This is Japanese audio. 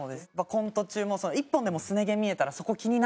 コント中も。